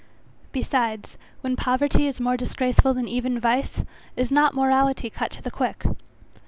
Besides, when poverty is more disgraceful than even vice, is not morality cut to the quick?